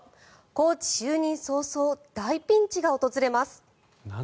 コーチ就任早々大ピンチが訪れます。